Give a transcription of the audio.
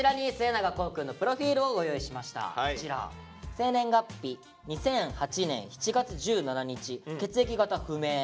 生年月日２００８年７月１７日血液型不明。